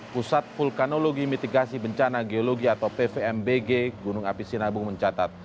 pusat vulkanologi mitigasi bencana geologi atau pvmbg gunung api sinabung mencatat